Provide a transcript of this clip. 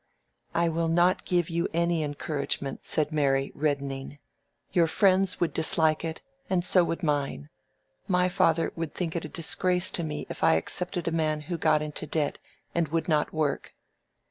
"I will not give you any encouragement," said Mary, reddening. "Your friends would dislike it, and so would mine. My father would think it a disgrace to me if I accepted a man who got into debt, and would not work!"